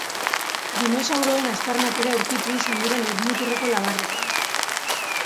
Dinosauroen aztarnak ere aurkitu izan dira lurmuturreko labarretan.